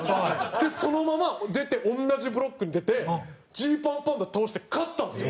そのまま出て同じブロックに出てＧパンパンダ倒して勝ったんですよ。